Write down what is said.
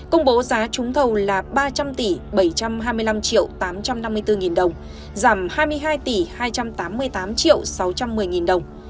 công bố giá trúng thầu là ba trăm linh tỷ bảy trăm hai mươi năm tám trăm năm mươi bốn đồng giảm hai mươi hai tỷ hai trăm tám mươi tám sáu trăm một mươi đồng